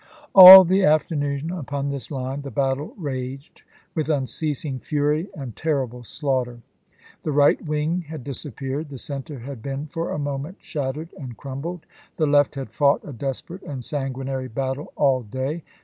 All the afternoon, upon this line, the battle raged with unceasing fury and terrific slaughter. The right wing had disappeared, the center had been for a moment shattered and crumbled, the left had fought a desperate and sanguinary battle all day.